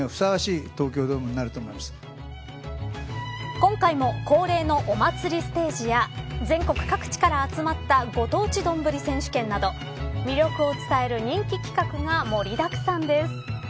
今回も恒例のお祭りステージや全国各地から集まったご当地どんぶり選手権など魅力を伝える人気企画が盛りだくさんです。